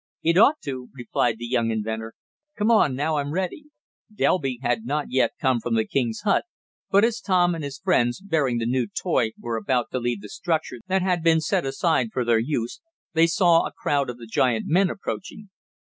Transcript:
"It ought to," replied the young inventor. "Come on, now I'm ready." Delby had not yet come from the king's hut, and as Tom and his friends, bearing the new toy, were about to leave the structure that had been set aside for their use, they saw a crowd of the giant men approaching.